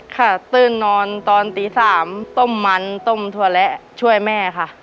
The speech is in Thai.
ตื้นนอนตอนตี๓ต้มมันต้มถั่วและช่วยแม่ค่ะ